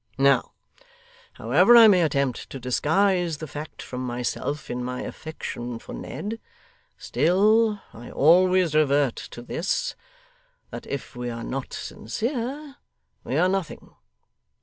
Now, however I may attempt to disguise the fact from myself in my affection for Ned, still I always revert to this that if we are not sincere, we are nothing.